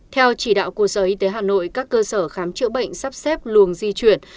theo chỉ đạo của sở y tế hà nội các cơ sở khám chữa bệnh sắp xếp luồng di chuyển